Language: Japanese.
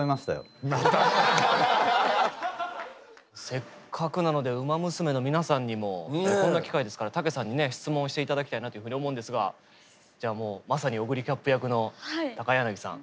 せっかくなのでウマ娘の皆さんにもこんな機会ですから武さんにね質問して頂きたいなというふうに思うんですがじゃあもうまさにオグリキャップ役の高柳さん。